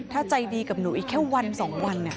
ถ้าใจดีกับหนูอีกแค่วัน๒วัน